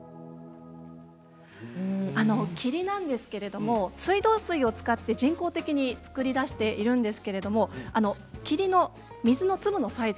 霧なんですけど水道水を使って人工的に作り出しているんですけれど霧の水の粒のサイズ